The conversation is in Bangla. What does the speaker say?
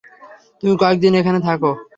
তুমি কয়েকদিন এখানে থাক।